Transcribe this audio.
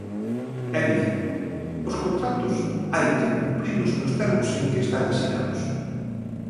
É dicir, os contratos hai que cumprilos nos termos en que están asinados.